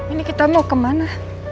ini kita mau kemana